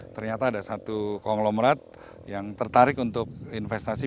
ternyata ada satu konglomerat yang tertarik untuk investasi